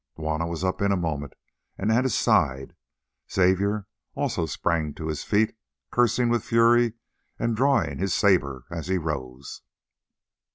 Juanna was up in a moment and at his side. Xavier also sprang to his feet, cursing with fury and drawing his sabre as he rose.